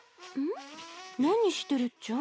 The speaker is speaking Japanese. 何してるっちゃ？